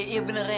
iya bener ya